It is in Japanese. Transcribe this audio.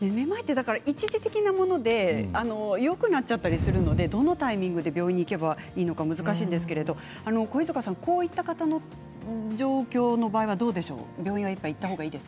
めまいって一時的なものでよくなっちゃったりするのでどのタイミングで病院に行けばいいのか難しいんですけど肥塚さん、こういった方の状況の場合はどうでしょう。